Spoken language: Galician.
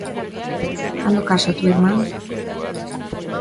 Cando casa túa irmá?